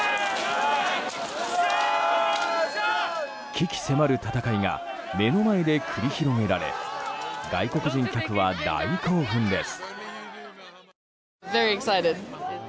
鬼気迫る戦いが目の前で繰り広げられ外国人客は大興奮です。